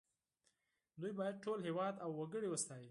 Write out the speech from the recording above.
دوی باید ټول هېواد او وګړي وستايي